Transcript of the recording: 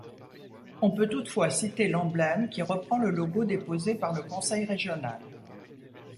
On peut toutefois citer l'emblème qui reprend le logo déposé par le conseil régional.